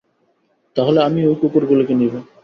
তাহলে আমিও ঐ কুকুর গুলোকে নিব।